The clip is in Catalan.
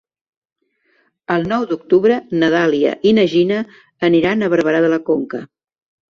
El nou d'octubre na Dàlia i na Gina aniran a Barberà de la Conca.